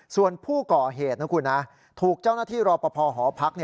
ส่วนผู้ก่อเหตุนะคุณนะถูกเจ้าหน้าที่รอปภหอพัก